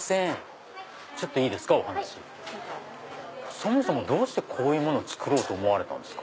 そもそもどうしてこういうもの作ろうと思われたんですか？